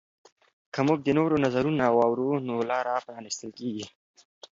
که موږ د نورو نظرونه واورو نو لاره پرانیستل کیږي.